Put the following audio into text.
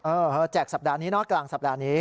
เออแจกสัปดาห์นี้เนอะกลางสัปดาห์นี้